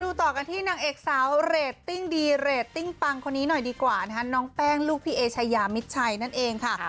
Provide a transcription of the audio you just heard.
ต่อกันที่นางเอกสาวเรตติ้งดีเรตติ้งปังคนนี้หน่อยดีกว่านะคะน้องแป้งลูกพี่เอชายามิดชัยนั่นเองค่ะ